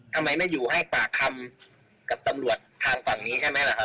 ทำไมไม่อยู่ให้ปากคำกับตำรวจทางฝั่งนี้